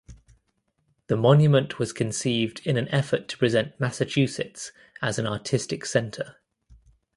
The monument was conceived in an effort to present Massachusetts as an artistic center.